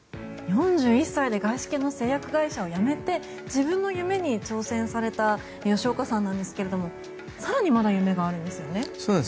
４１歳で外資系の製薬会社を辞めて自分の夢に挑戦された吉岡さんなんですけれども更にまだ夢があるんですよね。